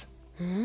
ん？